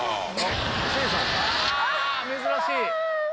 珍しい！